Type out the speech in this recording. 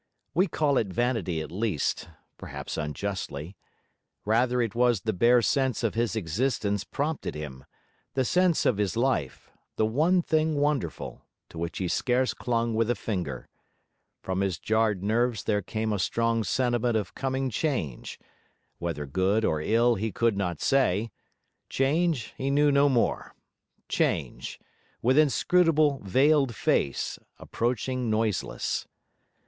We call it vanity at least; perhaps unjustly. Rather it was the bare sense of his existence prompted him; the sense of his life, the one thing wonderful, to which he scarce clung with a finger. From his jarred nerves there came a strong sentiment of coming change; whether good or ill he could not say: change, he knew no more change, with inscrutable veiled face, approaching noiseless.